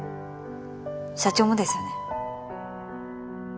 社長もですよね？